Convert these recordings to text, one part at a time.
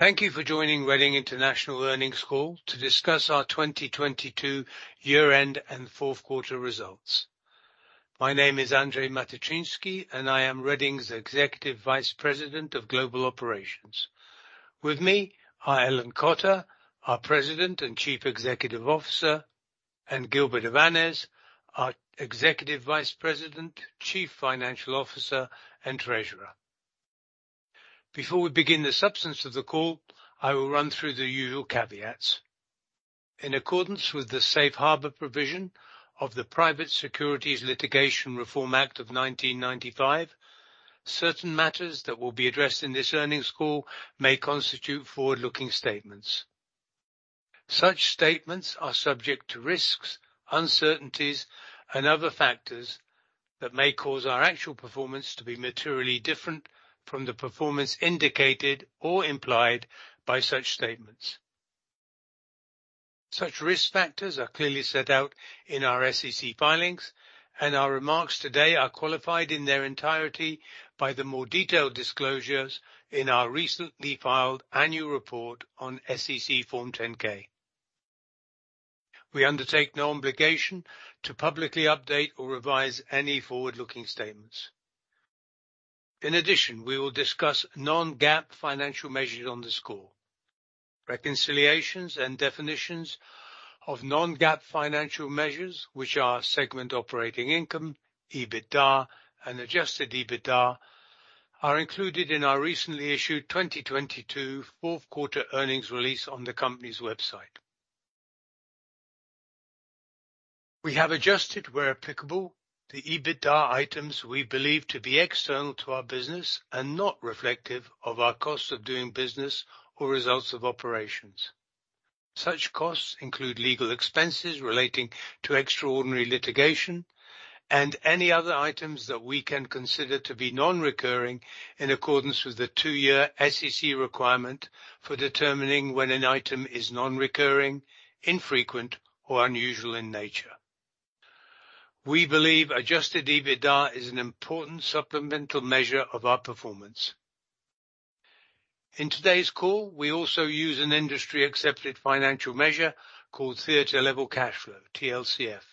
Thank you for joining Reading International Earnings Call to discuss our 2022 year-end and fourth quarter results. My name is Andrzej Matyczynski, and I am Reading's Executive Vice President of Global Operations. With me are Ellen Cotter, our President and Chief Executive Officer, and Gilbert Avanes, our Executive Vice President, Chief Financial Officer, and Treasurer. Before we begin the substance of the call, I will run through the usual caveats. In accordance with the safe harbor provision of the Private Securities Litigation Reform Act of 1995, certain matters that will be addressed in this earnings call may constitute forward-looking statements. Such statements are subject to risks, uncertainties, and other factors that may cause our actual performance to be materially different from the performance indicated or implied by such statements. Such risk factors are clearly set out in our SEC filings. Our remarks today are qualified in their entirety by the more detailed disclosures in our recently filed annual report on SEC form 10-K. We undertake no obligation to publicly update or revise any forward-looking statements. We will discuss non-GAAP financial measures on this call. Reconciliations and definitions of non-GAAP financial measures, which are segment operating income, EBITDA and adjusted EBITDA, are included in our recently issued 2022 fourth quarter earnings release on the company's website. We have adjusted, where applicable, the EBITDA items we believe to be external to our business and not reflective of our cost of doing business or results of operations. Such costs include legal expenses relating to extraordinary litigation and any other items that we can consider to be non-recurring in accordance with the two-year SEC requirement for determining when an item is non-recurring, infrequent or unusual in nature. We believe adjusted EBITDA is an important supplemental measure of our performance. In today's call, we also use an industry-accepted financial measure called theater level cash flow, TLCF,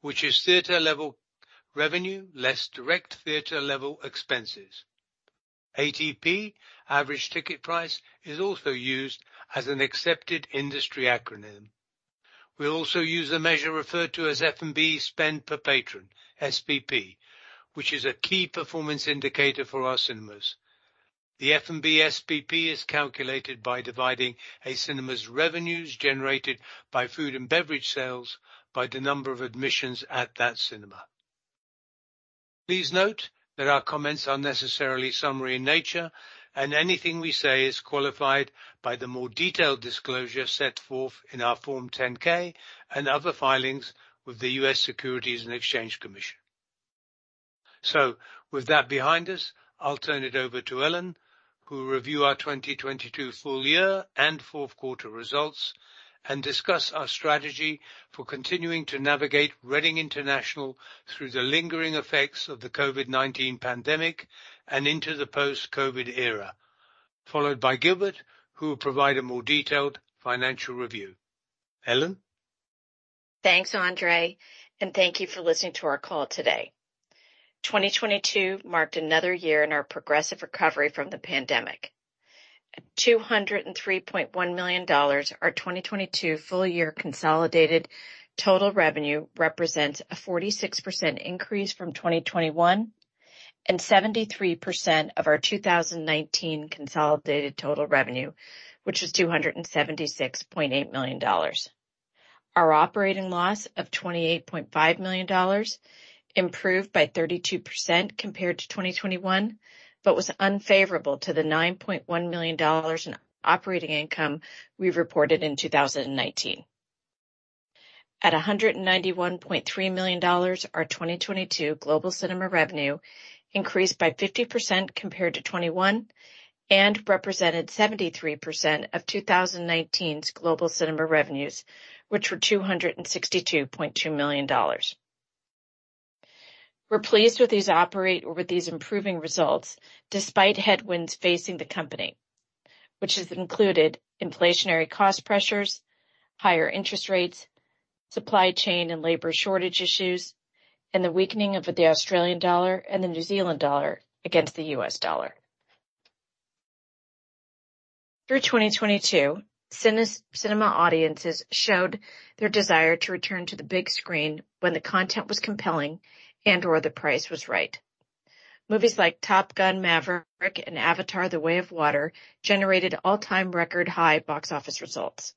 which is theater level revenue less direct theater level expenses. ATP, Average Ticket Price, is also used as an accepted industry acronym. We'll also use a measure referred to as F&B Spend Per Patron, SPP, which is a key performance indicator for our cinemas. The F&B SPP is calculated by dividing a cinema's revenues generated by food and beverage sales by the number of admissions at that cinema. Please note that our comments are necessarily summary in nature, and anything we say is qualified by the more detailed disclosure set forth in our form 10-K and other filings with the US Securities and Exchange Commission. With that behind us, I'll turn it over to Ellen, who will review our 2022 full year and fourth quarter results and discuss our strategy for continuing to navigate Reading International through the lingering effects of the COVID-19 pandemic and into the post-COVID era, followed by Gilbert, who will provide a more detailed financial review. Ellen. Thanks, Andrzej. Thank you for listening to our call today. 2022 marked another year in our progressive recovery from the pandemic. At $203.1 million, our 2022 full year consolidated total revenue represents a 46% increase from 2021 and 73% of our 2019 consolidated total revenue, which was $276.8 million. Our operating loss of $28.5 million improved by 32% compared to 2021, but was unfavorable to the $9.1 million in operating income we reported in 2019. At $191.3 million, our 2022 global cinema revenue increased by 50% compared to 2021 and represented 73% of 2019's global cinema revenues, which were $262.2 million. We're pleased with these improving results despite headwinds facing the company, which has included inflationary cost pressures, higher interest rates, supply chain and labor shortage issues, and the weakening of the Australian dollar and the New Zealand dollar against the US dollar. Through 2022, cinema audiences showed their desire to return to the big screen when the content was compelling and or the price was right. Movies like Top Gun: Maverick and Avatar: The Way of Water generated all-time record high box office results.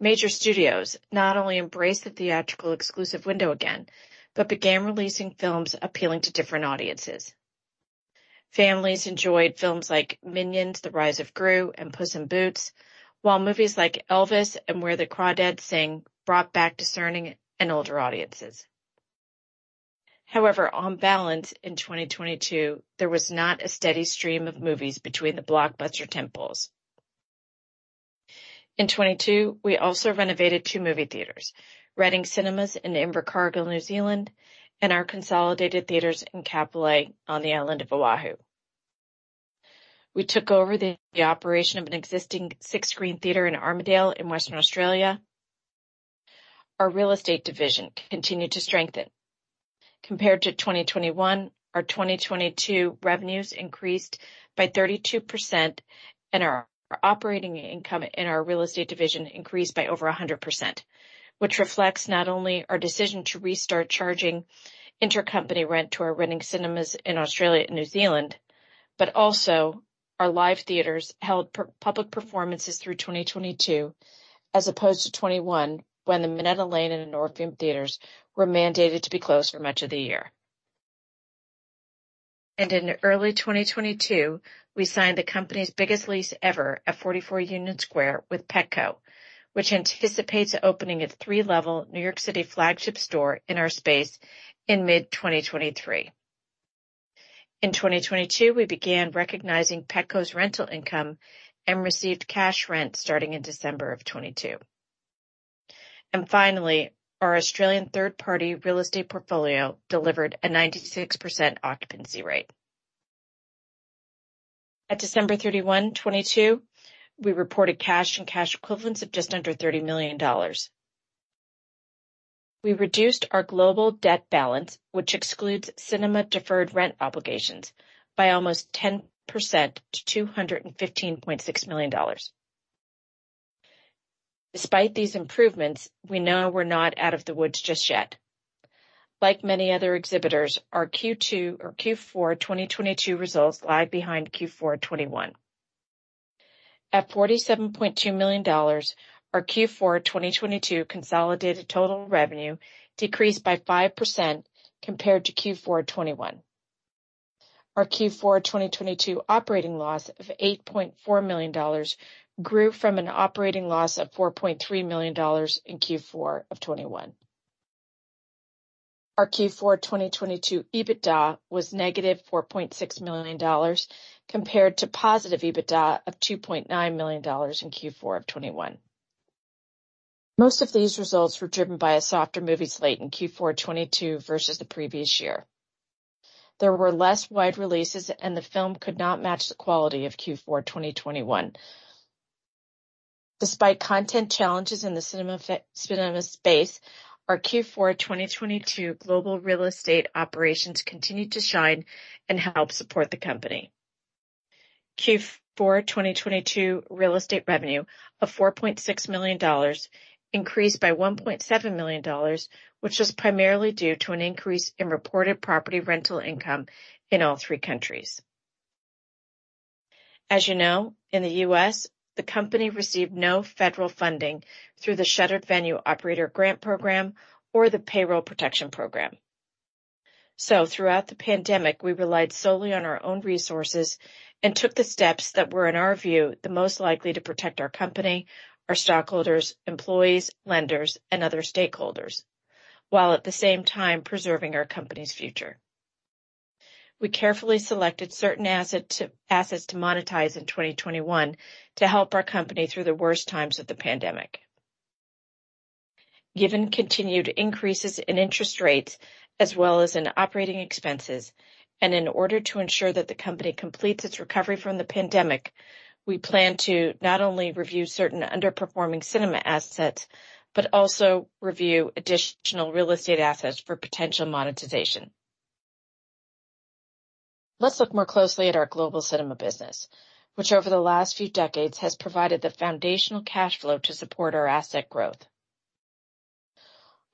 Major studios not only embraced the theatrical exclusive window again, but began releasing films appealing to different audiences. Families enjoyed films like Minions: The Rise of Gru and Puss in Boots, while movies like Elvis and Where the Crawdads Sing brought back discerning and older audiences. On balance, in 2022, there was not a steady stream of movies between the blockbuster temples. In 2022, we also renovated two movie theaters, Reading Cinemas in Invercargill, New Zealand, and our Consolidated Theatres in Kapolei on the island of Oahu. We took over the operation of an existing six-screen theater in Armadale in Western Australia. Our real estate division continued to strengthen. Compared to 2021, our 2022 revenues increased by 32% and our operating income in our real estate division increased by over 100%, which reflects not only our decision to restart charging intercompany rent to our Reading Cinemas in Australia and New Zealand. Also our live theaters held per public performances through 2022 as opposed to 2021 when the Minetta Lane and the Northam theaters were mandated to be closed for much of the year. In early 2022, we signed the company's biggest lease ever at 44 Union Square with Petco, which anticipates opening a 3-level New York City flagship store in our space in mid-2023. In 2022, we began recognizing Petco's rental income and received cash rent starting in December 2022. Finally, our Australian third-party real estate portfolio delivered a 96% occupancy rate. At December 31, 2022, we reported cash and cash equivalents of just under $30 million. We reduced our global debt balance, which excludes cinema deferred rent obligations by almost 10% to $215.6 million. Despite these improvements, we know we're not out of the woods just yet. Like many other exhibitors, our Q2 or Q4 2022 results lag behind Q4 2021. At $47.2 million, our Q4 2022 consolidated total revenue decreased by 5% compared to Q4 2021. Our Q4 2022 operating loss of $8.4 million grew from an operating loss of $4.3 million in Q4 of 2021. Our Q4 2022 EBITDA was negative $4.6 million compared to positive EBITDA of $2.9 million in Q4 of 2021. Most of these results were driven by a softer movie slate in Q4 2022 versus the previous year. There were less wide releases, and the film could not match the quality of Q4 2021. Despite content challenges in the cinema space, our Q4 2022 global real estate operations continued to shine and help support the company. Q4 2022 real estate revenue of $4.6 million increased by $1.7 million, which was primarily due to an increase in reported property rental income in all three countries. As you know, in the U.S., the company received no federal funding through the Shuttered Venue Operators Grant program or the Paycheck Protection Program. Throughout the pandemic, we relied solely on our own resources and took the steps that were, in our view, the most likely to protect our company, our stockholders, employees, lenders, and other stakeholders, while at the same time preserving our company's future. We carefully selected certain assets to monetize in 2021 to help our company through the worst times of the pandemic. Given continued increases in interest rates as well as in operating expenses, in order to ensure that the company completes its recovery from the pandemic, we plan to not only review certain underperforming cinema assets but also review additional real estate assets for potential monetization. Let's look more closely at our global cinema business, which over the last few decades has provided the foundational cash flow to support our asset growth.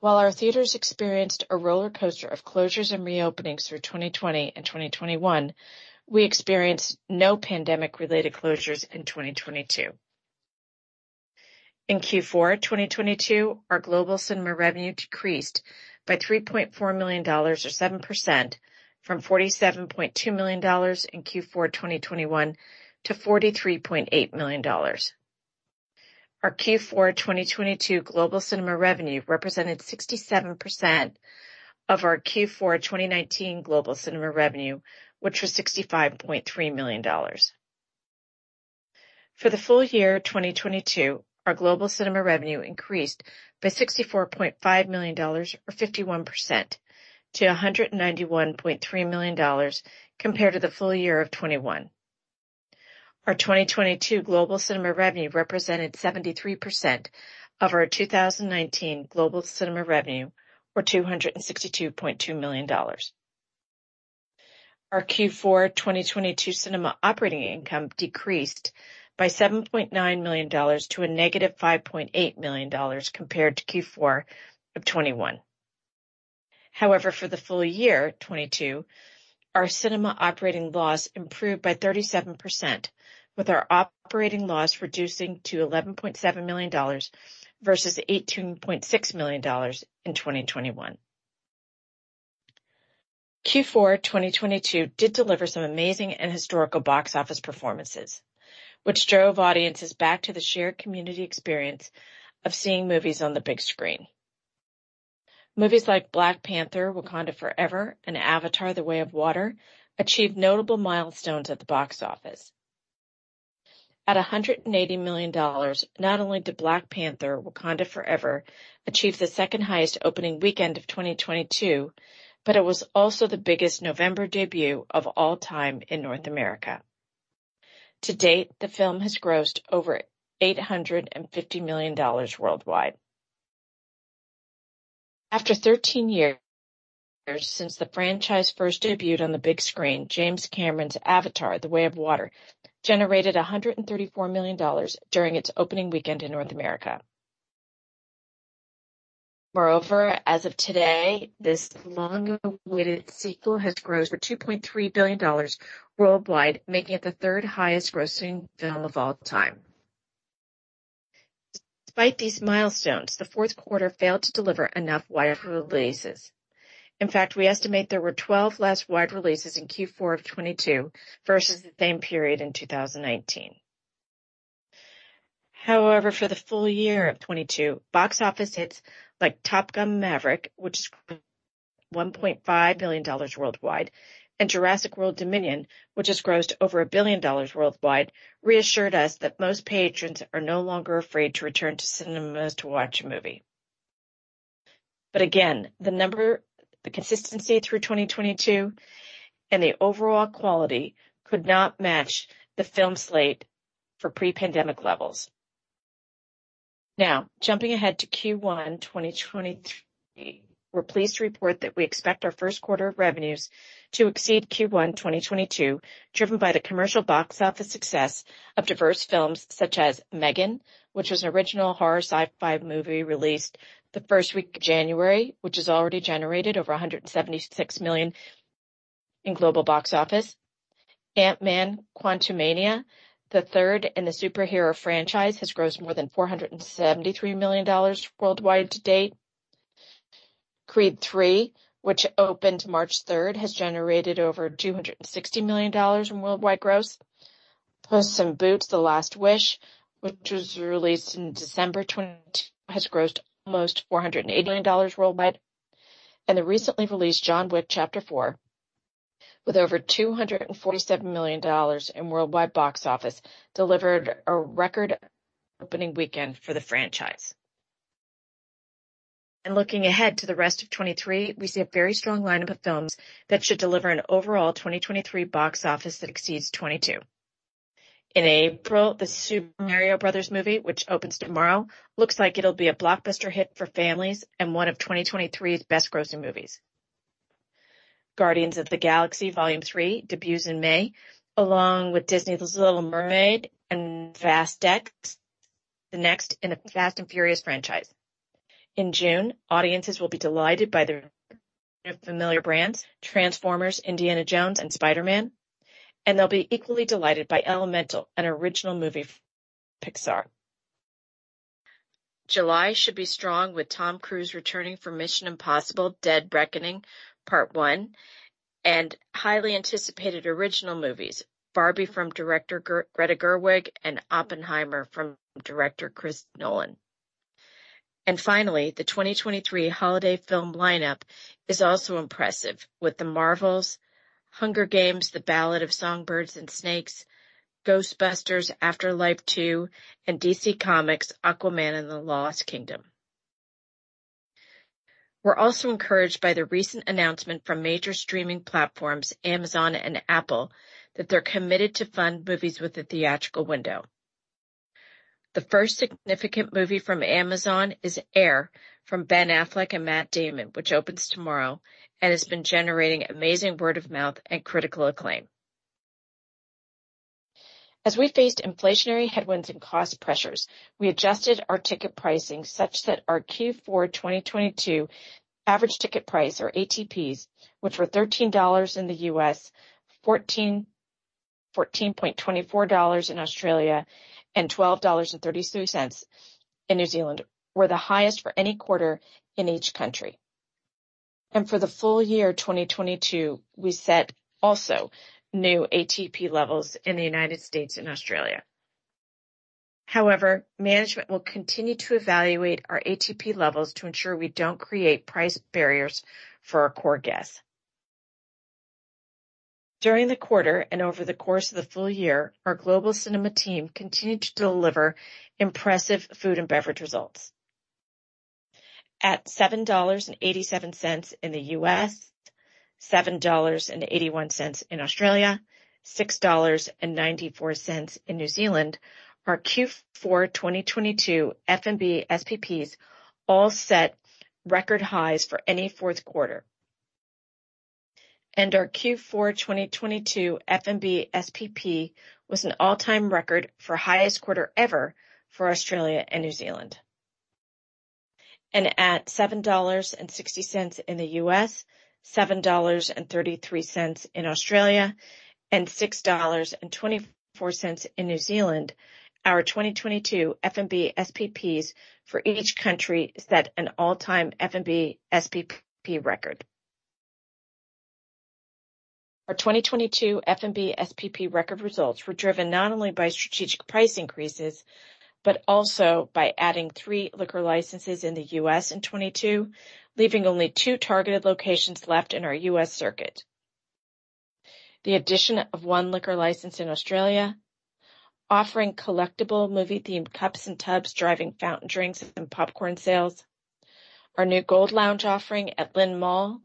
While our theaters experienced a roller coaster of closures and reopenings through 2020 and 2021, we experienced no pandemic-related closures in 2022. In Q4 2022, our global cinema revenue decreased by $3.4 million or 7% from $47.2 million in Q4 2021 to $43.8 million. Our Q4 2022 global cinema revenue represented 67% of our Q4 2019 global cinema revenue, which was $65.3 million. For the full year 2022, our global cinema revenue increased by $64.5 million or 51% to $191.3 million compared to the full year of 2021. Our 2022 global cinema revenue represented 73% of our 2019 global cinema revenue, or $262.2 million. Our Q4 2022 cinema operating income decreased by $7.9 million to a negative $5.8 million compared to Q4 of 2021. However, for the full year 2022, our cinema operating loss improved by 37%, with our operating loss reducing to $11.7 million versus $18.6 million in 2021. Q4 2022 did deliver some amazing and historical box office performances, which drove audiences back to the shared community experience of seeing movies on the big screen. Movies like Black Panther: Wakanda Forever and Avatar: The Way of Water achieved notable milestones at the box office. At $180 million, not only did Black Panther: Wakanda Forever achieve the second highest opening weekend of 2022, but it was also the biggest November debut of all time in North America. To date, the film has grossed over $850 million worldwide. After 13 years since the franchise first debuted on the big screen, James Cameron's Avatar: The Way of Water generated $134 million during its opening weekend in North America. Moreover, as of today, this long-awaited sequel has grossed for $2.3 billion worldwide, making it the third highest grossing film of all time. Despite these milestones, the fourth quarter failed to deliver enough wide releases. In fact, we estimate there were 12 less wide releases in Q4 of 2022 versus the same period in 2019. However, for the full year of 2022, box office hits like Top Gun: Maverick, which grossed $1.5 billion worldwide, and Jurassic World Dominion, which has grossed over $1 billion worldwide, reassured us that most patrons are no longer afraid to return to cinemas to watch a movie. Again, the number, the consistency through 2022 and the overall quality could not match the film slate for pre-pandemic levels. Jumping ahead to Q1 2023, we're pleased to report that we expect our first quarter of revenues to exceed Q1 2022, driven by the commercial box office success of diverse films such as M3GAN, which was an original horror sci-fi movie released the first week of January, which has already generated over $176 million in global box office. Ant-Man and the Wasp: Quantumania, the third in the superhero franchise, has grossed more than $473 million worldwide to date. Creed III, which opened March third, has generated over $260 million in worldwide gross. Puss in Boots: The Last Wish, which was released in December 2022, has grossed almost $480 million worldwide. The recently released John Wick: Chapter 4, with over $247 million in worldwide box office, delivered a record opening weekend for the franchise. Looking ahead to the rest of 2023, we see a very strong lineup of films that should deliver an overall 2023 box office that exceeds 2022. In April, The Super Mario Bros. Movie, which opens tomorrow, looks like it'll be a blockbuster hit for families and one of 2023's best grossing movies. Guardians of the Galaxy Vol. 3 debuts in May, along with Disney's The Little Mermaid and Fast X, the next in the Fast & Furious franchise. In June, audiences will be delighted by the return of familiar brands Transformers, Indiana Jones, and Spider-Man, and they'll be equally delighted by Elemental, an original movie from Pixar. July should be strong, with Tom Cruise returning for Mission: Impossible – Dead Reckoning Part One and highly anticipated original movies Barbie from director Greta Gerwig and Oppenheimer from director Christopher Nolan. Finally, the 2023 holiday film lineup is also impressive, with The Marvels, The Hunger Games: The Ballad of Songbirds & Snakes, Ghostbusters: Afterlife Two, and DC Comics' Aquaman and the Lost Kingdom. We're also encouraged by the recent announcement from major streaming platforms Amazon and Apple that they're committed to fund movies with a theatrical window. The first significant movie from Amazon is Air from Ben Affleck and Matt Damon, which opens tomorrow and has been generating amazing word of mouth and critical acclaim. As we faced inflationary headwinds and cost pressures, we adjusted our ticket pricing such that our Q4, 2022 average ticket price or ATPs, which were $13 in the U.S., 14.24 dollars in Australia, and 12.33 dollars in New Zealand, were the highest for any quarter in each country. For the full year, 2022, we set also new ATP levels in the United States and Australia. However, management will continue to evaluate our ATP levels to ensure we don't create price barriers for our core guests. During the quarter and over the course of the full year, our global cinema team continued to deliver impressive food and beverage results. At $7.87 in the U.S., 7.81 dollars in Australia, 6.94 dollars in New Zealand, our Q4 2022 F&B SPPs all set record highs for any fourth quarter. Our Q4 2022 F&B SPP was an all-time record for highest quarter ever for Australia and New Zealand. At $7.60 in the U.S., 7.33 dollars in Australia, and 6.24 dollars in New Zealand, our 2022 F&B SPPs for each country set an all-time F&B SPP record. Our 2022 F&B SPP record results were driven not only by strategic price increases, but also by adding 3 liquor licenses in the U.S. in 2022, leaving only 2 targeted locations left in our US circuit. The addition of 1 liquor license in Australia, offering collectible movie-themed cups and tubs, driving fountain drinks and popcorn sales. Our new gold lounge offering at LynnMall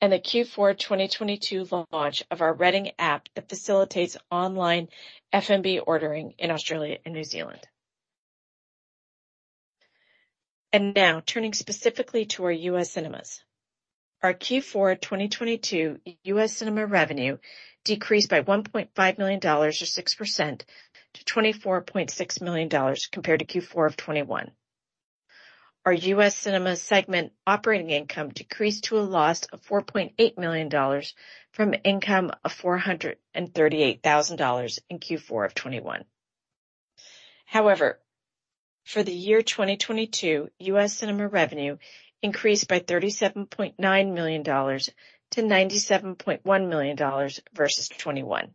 and the Q4 2022 launch of our Reading app that facilitates online F&B ordering in Australia and New Zealand. Now turning specifically to our US cinemas. Our Q4 2022 US cinema revenue decreased by $1.5 million or 6% to $24.6 million compared to Q4 of 2021. Our US cinema segment operating income decreased to a loss of $4.8 million from income of $438,000 in Q4 of 2021. For the year 2022, US cinema revenue increased by $37.9 million-$97.1 million versus 2021.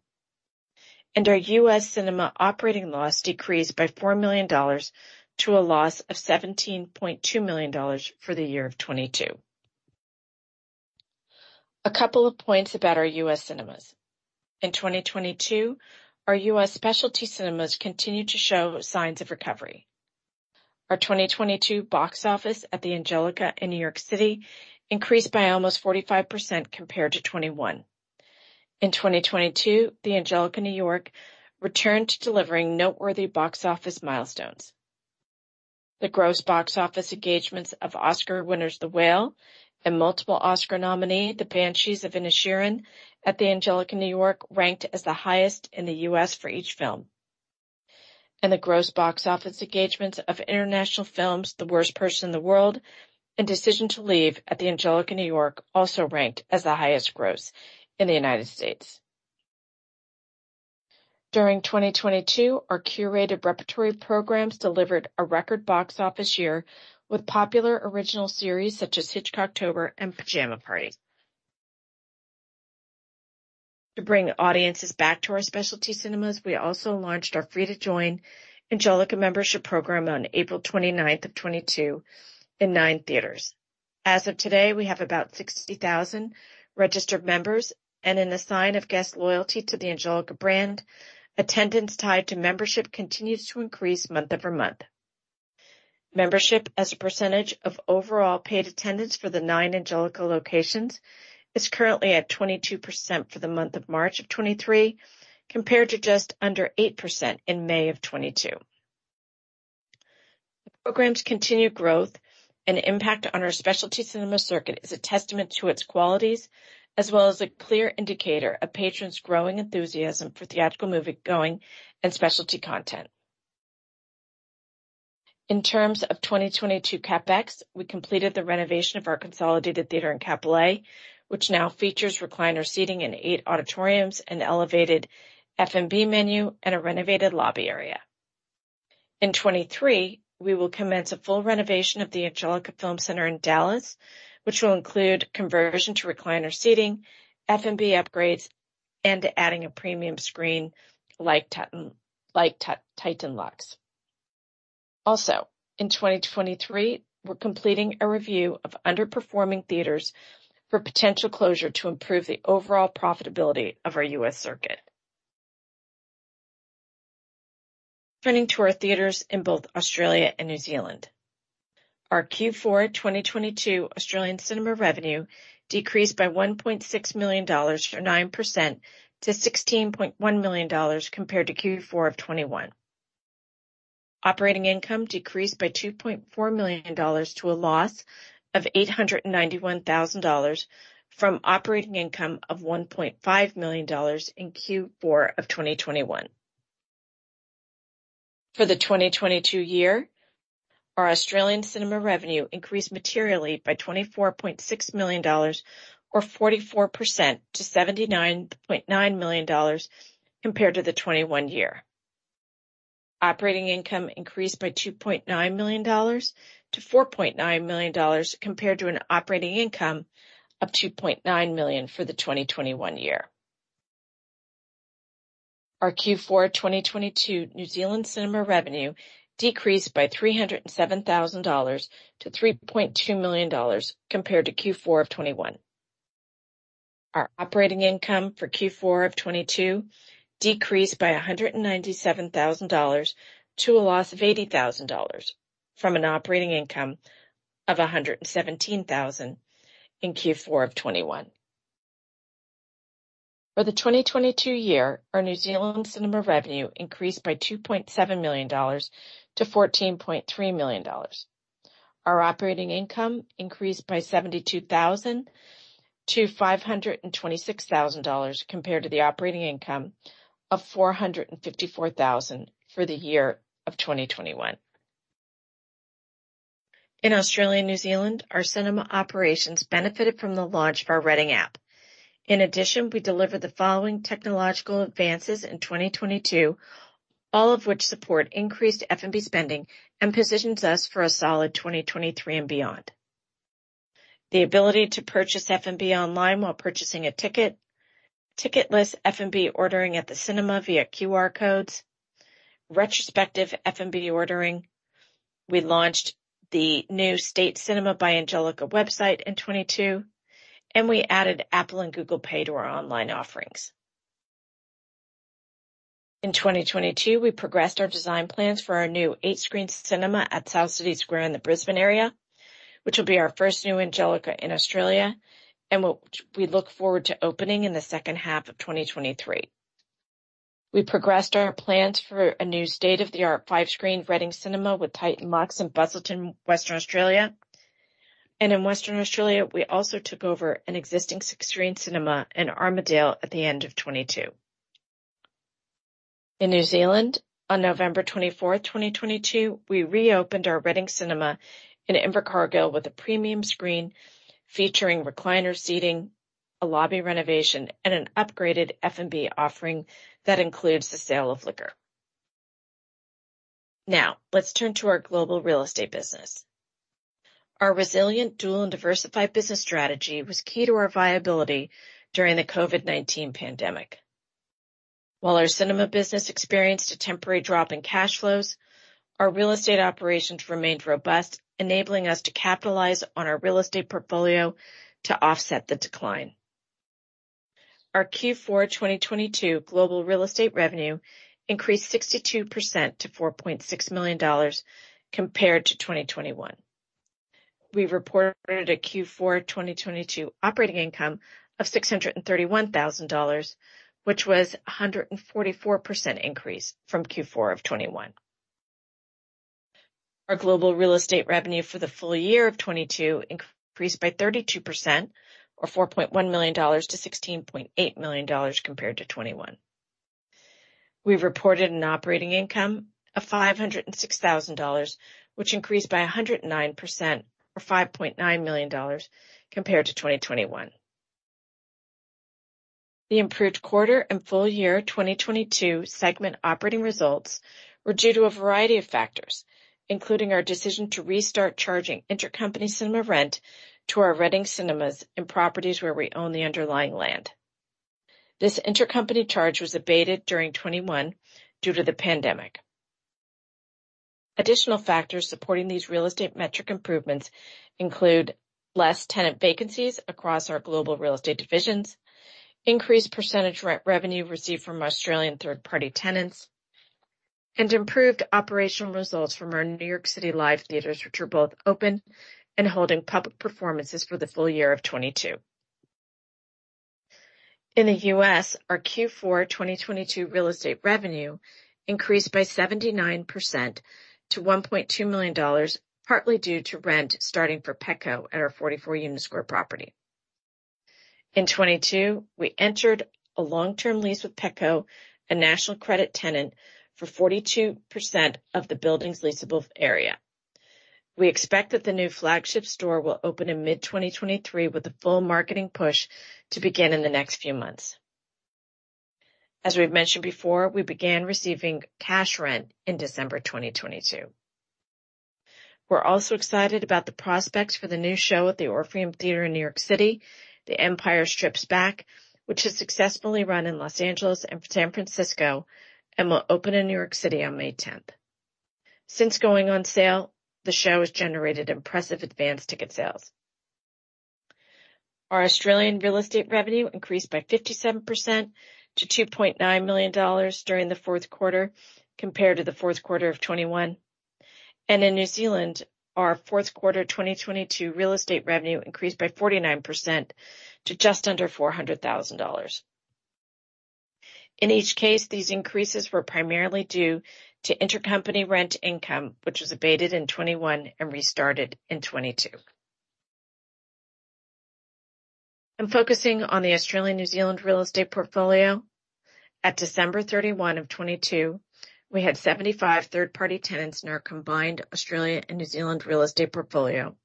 Our US cinema operating loss decreased by $4 million to a loss of $17.2 million for the year of 2022. A couple of points about our US cinemas. In 2022, our US specialty cinemas continued to show signs of recovery. Our 2022 box office at the Angelika in New York City increased by almost 45% compared to 2021. In 2022, the Angelika New York returned to delivering noteworthy box office milestones. The gross box office engagements of Oscar winners, The Whale, and multiple Oscar nominee, The Banshees of Inisherin, at the Angelika New York, ranked as the highest in the U.S. for each film. The gross box office engagements of international films, The Worst Person in the World, and Decision to Leave at the Angelika New York, also ranked as the highest gross in the United States. During 2022, our curated repertory programs delivered a record box office year with popular original series such as Hitchcocktober and Pajama Party. To bring audiences back to our specialty cinemas, we also launched our free to join Angelika Membership program on April 29th, 2020 in nine theaters. As of today, we have about 60,000 registered members, and in a sign of guest loyalty to the Angelika brand, attendance tied to membership continues to increase month-over-month. Membership as a percentage of overall paid attendance for the nine Angelika locations is currently at 22% for the month of March of 2023, compared to just under 8% in May of 2022. The program's continued growth and impact on our specialty cinema circuit is a testament to its qualities as well as a clear indicator of patrons' growing enthusiasm for theatrical movie going and specialty content. In terms of 2022 CapEx, we completed the renovation of our Consolidated Theatres in Kapolei, which now features recliner seating in eight auditoriums and elevated F&B menu and a renovated lobby area. In 2023, we will commence a full renovation of the Angelika Film Center in Dallas, which will include conversion to recliner seating, F&B upgrades, and adding a premium screen like TITAN LUXE. In 2023, we're completing a review of underperforming theaters for potential closure to improve the overall profitability of our US circuit. Turning to our theaters in both Australia and New Zealand. Our Q4 2022 Australian cinema revenue decreased by $1.6 million or 9% to $16.1 million compared to Q4 of 2021. Operating income decreased by $2.4 million to a loss of $891,000 from operating income of $1.5 million in Q4 of 2021. For the 2022 year, our Australian cinema revenue increased materially by $24.6 million or 44% to $79.9 million compared to the 2021 year. Operating income increased by $2.9 million to $4.9 million compared to an operating income of $2.9 million for the 2021 year. Our Q4 2022 New Zealand cinema revenue decreased by $307,000-$3.2 million compared to Q4 of 2021. Our operating income for Q4 of 2020 decreased by $197,000 to a loss of $80,000 from an operating income of $117,000 in Q4 of 2021. For the 2022 year, our New Zealand cinema revenue increased by $2.7 million-$14.3 million. Our operating income increased by $72,000-$526,000 compared to the operating income of $454,000 for the year of 2021. In Australia and New Zealand, our cinema operations benefited from the launch of our Reading app. In addition, we delivered the following technological advances in 2022. All of which support increased F&B spending and positions us for a solid 2023 and beyond. The ability to purchase F&B online while purchasing a ticket, ticketless F&B ordering at the cinema via QR codes, retrospective F&B ordering. We launched the new State Cinema by Angelika website in 2022, and we added Apple Pay and Google Pay to our online offerings. In 2022, we progressed our design plans for our new 8-screen cinema at South City Square in the Brisbane area, which will be our first new Angelika in Australia, we look forward to opening in the second half of 2023. We progressed our plans for a new state-of-the-art 5-screen Reading Cinema with TITAN LUXE in Busselton, Western Australia. In Western Australia, we also took over an existing 6-screen cinema in Armadale at the end of 2022. In New Zealand, on November 24, 2022, we reopened our Reading Cinema in Invercargill with a premium screen featuring recliner seating, a lobby renovation, and an upgraded F&B offering that includes the sale of liquor. Let's turn to our global real estate business. Our resilient dual and diversified business strategy was key to our viability during the COVID-19 pandemic. While our cinema business experienced a temporary drop in cash flows, our real estate operations remained robust, enabling us to capitalize on our real estate portfolio to offset the decline. Our Q4 2022 global real estate revenue increased 62% to $4.6 million compared to 2021. We reported a Q4 2022 operating income of $631,000, which was a 144% increase from Q4 of 2021. Our global real estate revenue for the full year of 2022 increased by 32% or $4.1 million-$16.8 million compared to 2021. We reported an operating income of $506,000, which increased by 109% or $5.9 million compared to 2021. The improved quarter and full year 2022 segment operating results were due to a variety of factors, including our decision to restart charging intercompany cinema rent to our Reading Cinemas in properties where we own the underlying land. This intercompany charge was abated during 2021 due to the pandemic. Additional factors supporting these real estate metric improvements include less tenant vacancies across our global real estate divisions, increased percentage re-revenue received from Australian third-party tenants, and improved operational results from our New York City live theaters, which were both open and holding public performances for the full year of 2022. In the U.S., our Q4 2022 real estate revenue increased by 79% to $1.2 million, partly due to rent starting for Petco at our 44 Union Square property. In 2022, we entered a long-term lease with Petco, a national credit tenant, for 42% of the building's leasable area. We expect that the new flagship store will open in mid-2023 with the full marketing push to begin in the next few months. As we've mentioned before, we began receiving cash rent in December 2022. We're also excited about the prospects for the new show at the Orpheum Theater in New York City, The Empire Strikes Back, which has successfully run in Los Angeles and San Francisco and will open in New York City on May 10th. Since going on sale, the show has generated impressive advance ticket sales. Our Australian real estate revenue increased by 57% to 2.9 million dollars during the 4th quarter compared to the 4th quarter of 2021. In New Zealand, our 4th quarter 2022 real estate revenue increased by 49% to just under 400,000 dollars. In each case, these increases were primarily due to intercompany rent income, which was abated in 2021 and restarted in 2022. Focusing on the Australian New Zealand real estate portfolio, at December 31, 2022, we had 75 third-party tenants in our combined Australia and New Zealand real estate portfolio,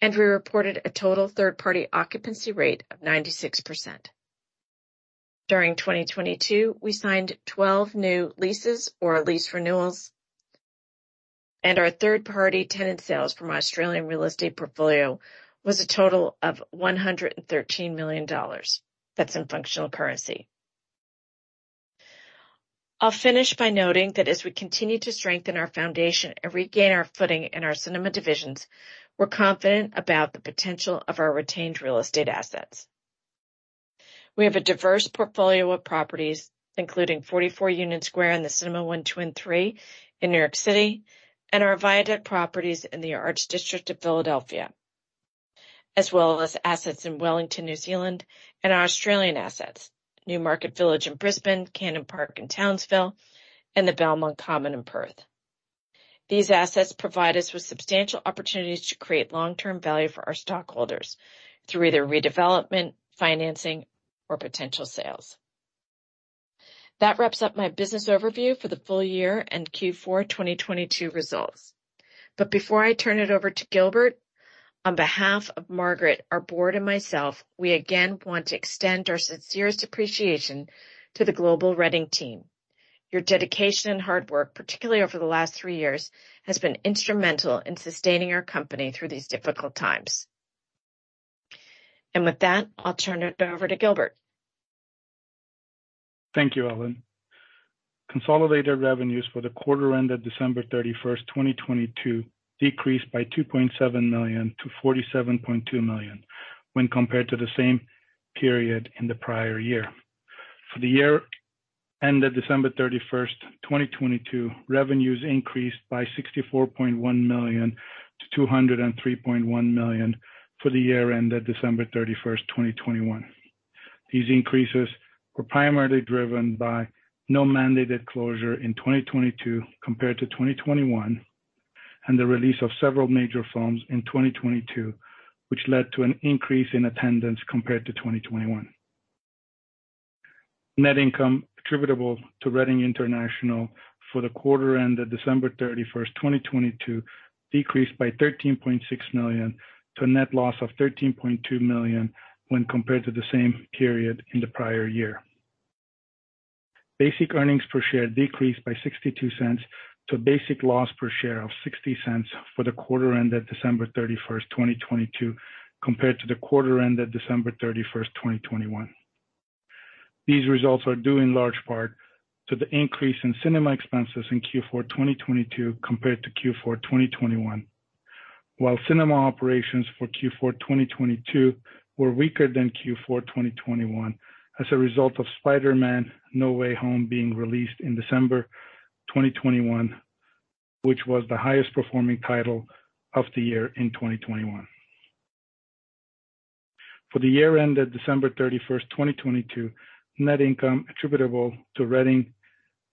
and we reported a total third-party occupancy rate of 96%. During 2022, we signed 12 new leases or lease renewals, and our third-party tenant sales from our Australian real estate portfolio was a total of $113 million. That's in functional currency. I'll finish by noting that as we continue to strengthen our foundation and regain our footing in our cinema divisions, we're confident about the potential of our retained real estate assets. We have a diverse portfolio of properties, including 44 Union Square and the Cinema 1, 2, and 3 in New York City, and our viaduct properties in the Arts District of Philadelphia, as well as assets in Wellington, New Zealand, and our Australian assets, Newmarket Village in Brisbane, Cannon Park in Townsville, and the Belmont Common in Perth. These assets provide us with substantial opportunities to create long-term value for our stockholders through either redevelopment, financing, or potential sales. That wraps up my business overview for the full year and Q4 2022 results. Before I turn it over to Gilbert, on behalf of Margaret, our Board, and myself, we again want to extend our sincerest appreciation to the global Reading team. Your dedication and hard work, particularly over the last three years, has been instrumental in sustaining our company through these difficult times. With that, I'll turn it over to Gilbert. Thank you, Ellen. Consolidated revenues for the quarter ended December 31, 2022 decreased by $2.7 million to $47.2 million when compared to the same period in the prior year. For the year ended December 31, 2022, revenues increased by $64.1 million to $203.1 million for the year ended December 31, 2021. These increases were primarily driven by no mandated closure in 2022 compared to 2021, and the release of several major films in 2022, which led to an increase in attendance compared to 2021. Net income attributable to Reading International for the quarter ended December 31, 2022 decreased by $13.6 million to a net loss of $13.2 million when compared to the same period in the prior year. Basic earnings per share decreased by $0.62 to basic loss per share of $0.60 for the quarter ended December 31, 2022 compared to the quarter ended December 31, 2021. These results are due in large part to the increase in cinema expenses in Q4 2022 compared to Q4 2021. While cinema operations for Q4 2022 were weaker than Q4 2021 as a result of Spider-Man: No Way Home being released in December 2021, which was the highest performing title of the year in 2021. For the year ended December 31, 2022, net income attributable to Reading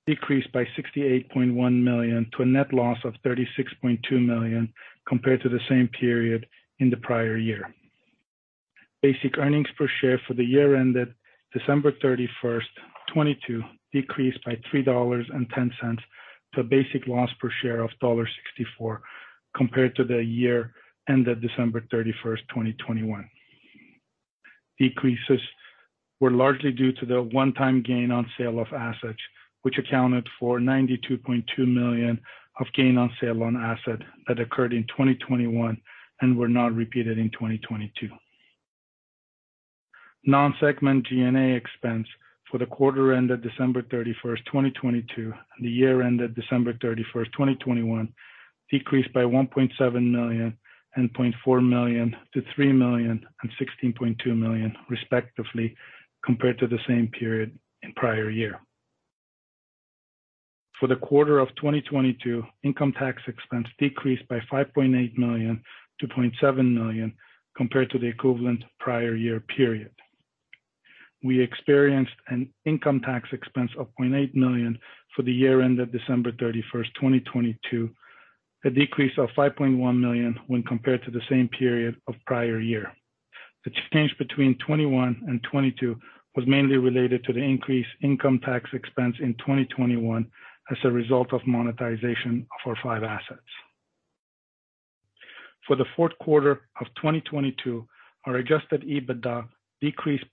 decreased by $68.1 million to a net loss of $36.2 million compared to the same period in the prior year. Basic earnings per share for the year ended December 31st, 2022 decreased by $3.10 to basic loss per share of $1.64 compared to the year ended December 31st, 2021. Decreases were largely due to the one-time gain on sale of assets which accounted for $92.2 million of gain on sale on asset that occurred in 2021 and were not repeated in 2022. Non-segment G&A expense for the quarter ended December 31st, 2022, and the year ended December 31st, 2021 decreased by $1.7 million and $0.4 million-$3 million and $16.2 million, respectively, compared to the same period in prior year. For the quarter of 2022, income tax expense decreased by $5.8 million to $0.7 million compared to the equivalent prior year period. We experienced an income tax expense of $0.8 million for the year ended December 31st, 2022, a decrease of $5.1 million when compared to the same period of prior year. The change between 2021 and 2022 was mainly related to the increased income tax expense in 2021 as a result of monetization of our five assets. For the fourth quarter of 2022, our adjusted EBITDA decreased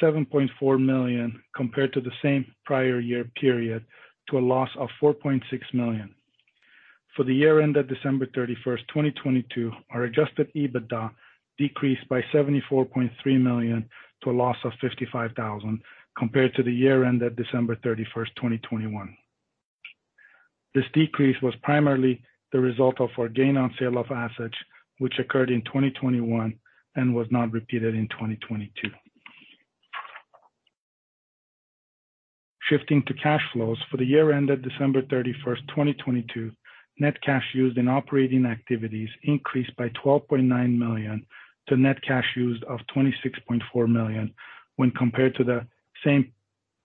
by $7.4 million compared to the same prior year period to a loss of $4.6 million. For the year ended December 31st, 2022, our adjusted EBITDA decreased by $74.3 million to a loss of $55,000 compared to the year ended December 31st, 2021. This decrease was primarily the result of our gain on sale of assets which occurred in 2021 and was not repeated in 2022. Shifting to cash flows. For the year ended December 31st, 2022, net cash used in operating activities increased by $12.9 million to net cash used of $26.4 million when compared to the same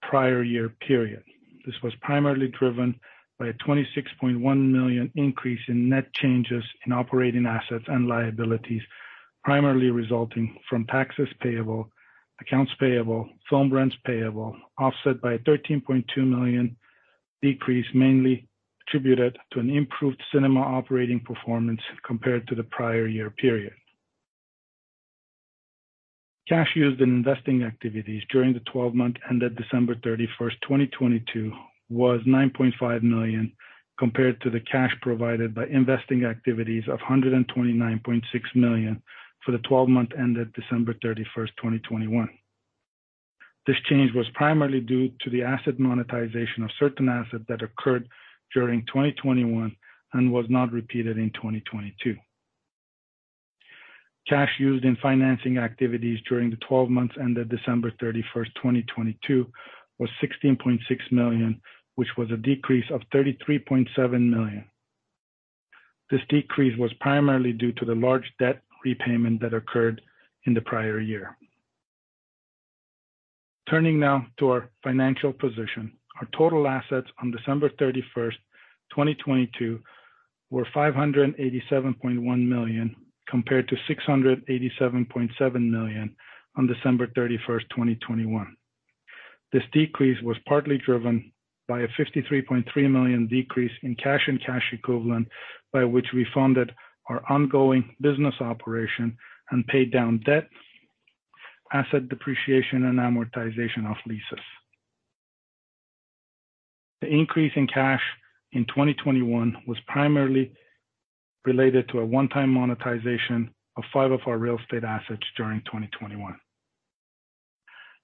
prior year period. This was primarily driven by a $26.1 million increase in net changes in operating assets and liabilities, primarily resulting from taxes payable, accounts payable, film rents payable, offset by a $13.2 million decrease, mainly attributed to an improved cinema operating performance compared to the prior year period. Cash used in investing activities during the 12 month ended December 31st, 2022 was $9.5 million, compared to the cash provided by investing activities of $129.6 million for the 12 month ended December 31st, 2021. This change was primarily due to the asset monetization of certain assets that occurred during 2021 and was not repeated in 2022. Cash used in financing activities during the 12 months ended December 31st, 2022 was $16.6 million, which was a decrease of $33.7 million. This decrease was primarily due to the large debt repayment that occurred in the prior year. Turning now to our financial position. Our total assets on December 31, 2022, were $587.1 million, compared to $687.7 million on December 31, 2021. This decrease was partly driven by a $53.3 million decrease in cash and cash equivalent by which we funded our ongoing business operation and paid down debt, asset depreciation, and amortization of leases. The increase in cash in 2021 was primarily related to a one-time monetization of five of our real estate assets during 2021.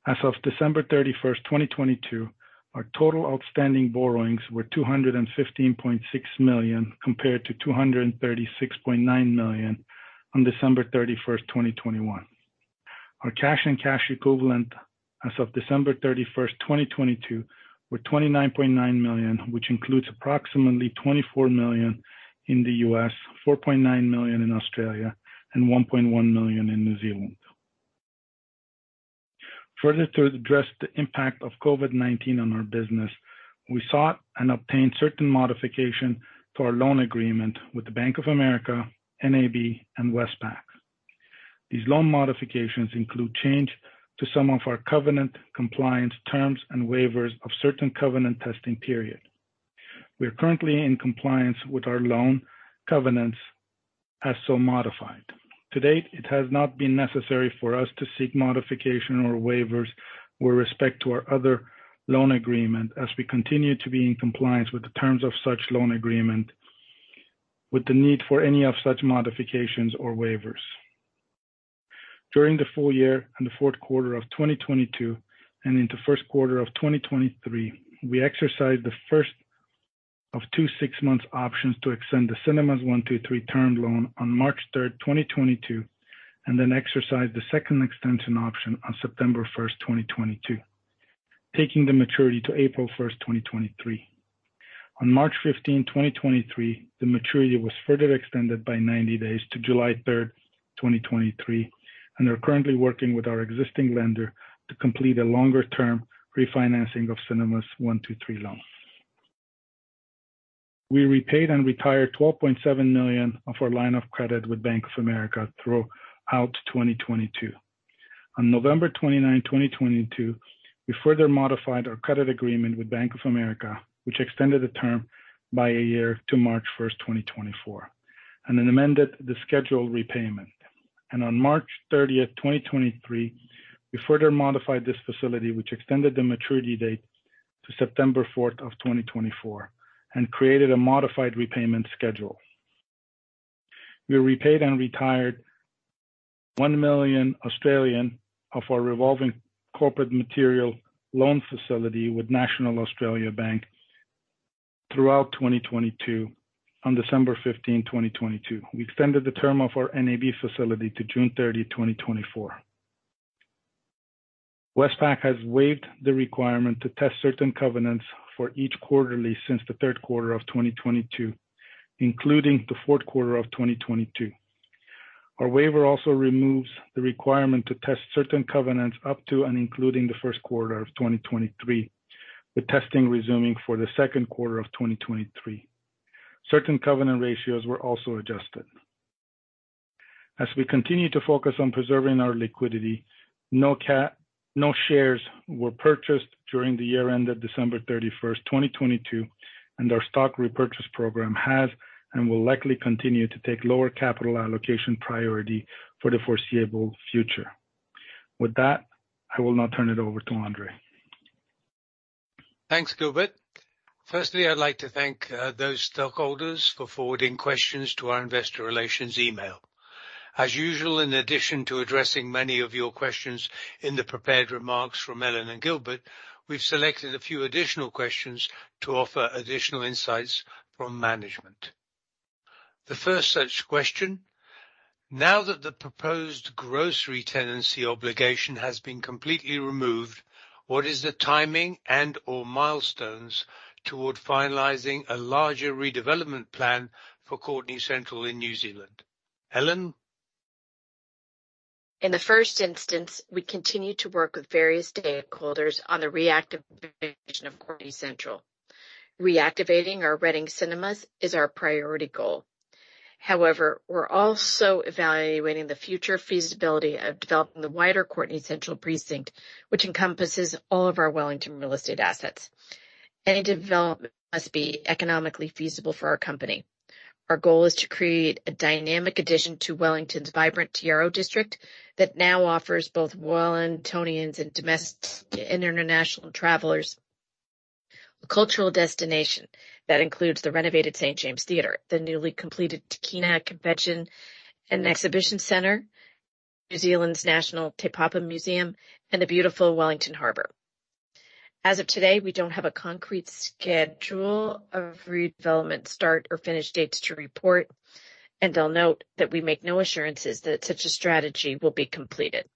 As of December 31, 2022, our total outstanding borrowings were $215.6 million, compared to $236.9 million on December 31, 2021. Our cash and cash equivalent as of December 31, 2022, were $29.9 million, which includes approximately $24 million in the U.S., 4.9 million in Australia and 1.1 million in New Zealand. To address the impact of COVID-19 on our business, we sought and obtained certain modification to our loan agreement with Bank of America, NAB and Westpac. These loan modifications include change to some of our covenant compliance terms and waivers of certain covenant testing period. We are currently in compliance with our loan covenants as so modified. To date, it has not been necessary for us to seek modification or waivers with respect to our other loan agreement as we continue to be in compliance with the terms of such loan agreement with the need for any of such modifications or waivers. During the full year and the fourth quarter of 2022 and into first quarter of 2023, we exercised the first of two six-month options to extend the Cinemas 1, 2, 3 term loan on March 3, 2022, and then exercised the second extension option on September 1, 2022, taking the maturity to April 1, 2023. On March 15, 2023, the maturity was further extended by 90 days to July 3, 2023, and are currently working with our existing lender to complete a longer term refinancing of Cinemas 1, 2, 3 loans. We repaid and retired $12.7 million of our line of credit with Bank of America throughout 2022. On November 29, 2022, we further modified our credit agreement with Bank of America, which extended the term by a year to March 1, 2024, and then amended the scheduled repayment. On March 30, 2023, we further modified this facility, which extended the maturity date to September 4, 2024, and created a modified repayment schedule. We repaid and retired 1 million of our revolving corporate material loan facility with National Australia Bank throughout 2022. On December 15, 2022, we extended the term of our NAB facility to June 30, 2024. Westpac has waived the requirement to test certain covenants for each quarterly since the third quarter of 2022, including the fourth quarter of 2022. Our waiver also removes the requirement to test certain covenants up to and including the 1st quarter of 2023, with testing resuming for the second quarter of 2023. Certain covenant ratios were also adjusted. As we continue to focus on preserving our liquidity, no shares were purchased during the year ended December 31st, 2022, and our stock repurchase program has and will likely continue to take lower capital allocation priority for the foreseeable future. With that, I will now turn it over to Andrzej. Thanks, Gilbert. Firstly, I'd like to thank those stockholders for forwarding questions to our investor relations email. As usual, in addition to addressing many of your questions in the prepared remarks from Ellen and Gilbert, we've selected a few additional questions to offer additional insights from management. The first such question: Now that the proposed grocery tenancy obligation has been completely removed, what is the timing and/or milestones toward finalizing a larger redevelopment plan for Courtenay Central in New Zealand? Ellen. In the first instance, we continue to work with various stakeholders on the reactivation of Courtenay Central. Reactivating our Reading Cinemas is our priority goal. However, we're also evaluating the future feasibility of developing the wider Courtenay Central precinct, which encompasses all of our Wellington real estate assets. Any development must be economically feasible for our company. Our goal is to create a dynamic addition to Wellington's vibrant Te Aro district that now offers both Wellingtonians and domestic and international travelers a cultural destination that includes the renovated St. James Theater, the newly completed Tākina Wellington Convention and Exhibition Centre, New Zealand's National Te Papa Museum, and the beautiful Wellington Harbor. As of today, we don't have a concrete schedule of redevelopment start or finish dates to report, and I'll note that we make no assurances that such a strategy will be completed.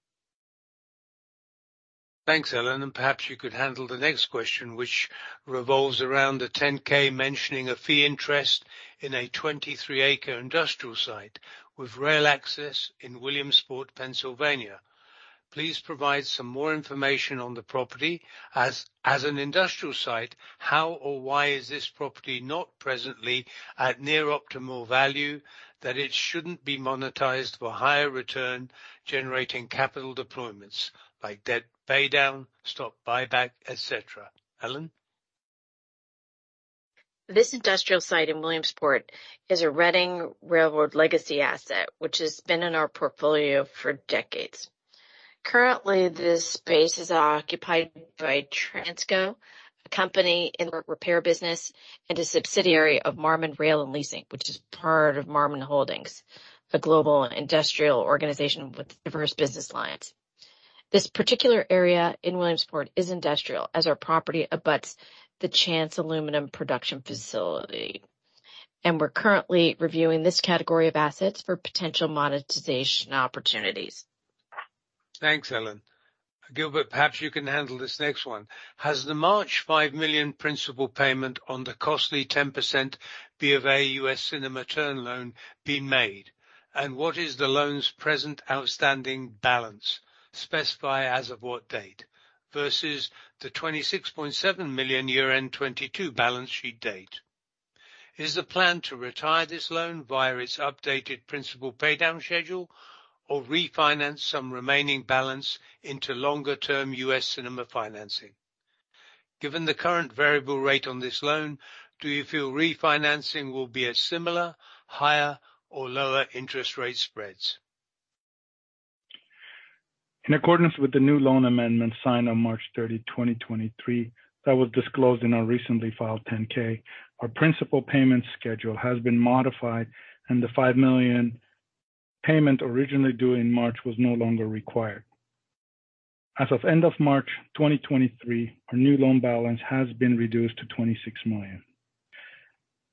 Thanks, Ellen. Perhaps you could handle the next question, which revolves around the 10-K mentioning a fee interest in a 23-acre industrial site with rail access in Williamsport, Pennsylvania. Please provide some more information on the property. As an industrial site, how or why is this property not presently at near optimal value that it shouldn't be monetized for higher return generating capital deployments like debt paydown, stock buyback, et cetera, Ellen? This industrial site in Williamsport is a Reading Railroad legacy asset, which has been in our portfolio for decades. Currently, this space is occupied by Transco, a company in the repair business and a subsidiary of Marmon Rail & Leasing, which is part of Marmon Holdings, a global industrial organization with diverse business lines. This particular area in Williamsport is industrial, as our property abuts the Chance Aluminum production facility. We're currently reviewing this category of assets for potential monetization opportunities. Thanks, Ellen. Gilbert, perhaps you can handle this next one. Has the March $5 million principal payment on the costly 10% BofA US cinema term loan been made? What is the loan's present outstanding balance, specify as of what date, versus the $26.7 million year-end 2022 balance sheet date? Is the plan to retire this loan via its updated principal pay down schedule or refinance some remaining balance into longer-term US cinema financing? Given the current variable rate on this loan, do you feel refinancing will be a similar, higher or lower interest rate spreads? In accordance with the new loan amendment signed on March 30, 2023, that was disclosed in our recently filed 10-K. Our principal payment schedule has been modified, and the $5 million payment originally due in March was no longer required. As of end of March 2023, our new loan balance has been reduced to $26 million.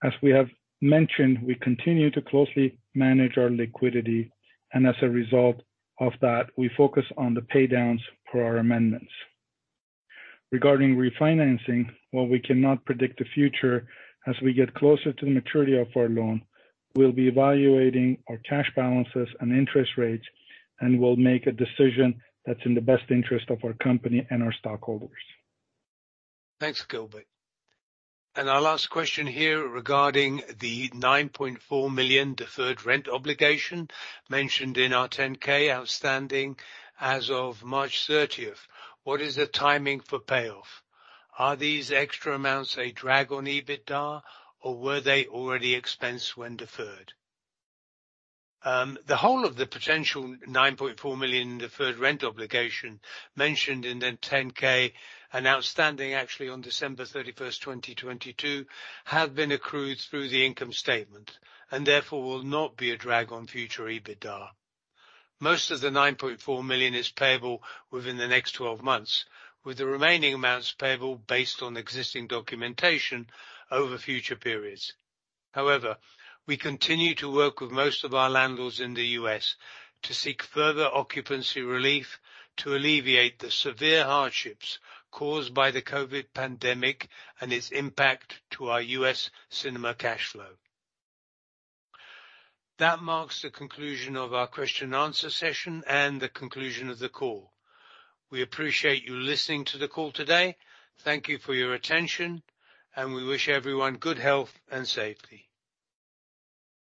As we have mentioned, we continue to closely manage our liquidity, and as a result of that, we focus on the pay downs per our amendments. Regarding refinancing, while we cannot predict the future, as we get closer to the maturity of our loan, we'll be evaluating our cash balances and interest rates, and we'll make a decision that's in the best interest of our company and our stockholders. Thanks, Gilbert. Our last question here regarding the $9.4 million deferred rent obligation mentioned in our 10-K outstanding as of March 30th, what is the timing for payoff? Are these extra amounts a drag on EBITDA, or were they already expensed when deferred? The whole of the potential $9.4 million deferred rent obligation mentioned in the 10-K and outstanding actually on December 31st, 2022, have been accrued through the income statement and therefore will not be a drag on future EBITDA. Most of the $9.4 million is payable within the next 12 months, with the remaining amounts payable based on existing documentation over future periods. We continue to work with most of our landlords in the U.S. to seek further occupancy relief to alleviate the severe hardships caused by the COVID pandemic and its impact to our US cinema cash flow. That marks the conclusion of our question and answer session and the conclusion of the call. We appreciate you listening to the call today. Thank you for your attention, and we wish everyone good health and safety.